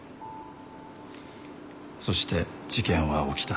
そして事件は起きた。